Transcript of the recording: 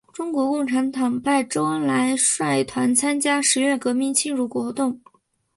中国共产党派周恩来率团参加十月革命庆祝活动。